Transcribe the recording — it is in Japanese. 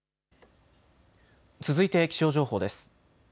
続いて気象情報です。